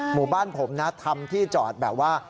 หมู่บ้านผมนะทำที่จอดแบบว่า